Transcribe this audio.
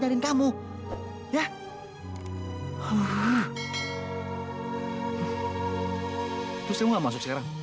berisik banget sih sese